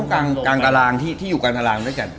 กลางตารางที่อยู่กลางตารางด้วยกัน